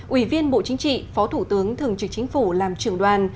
ủy viên bộ chính trị phó thủ tướng thường trực chính phủ làm trưởng đoàn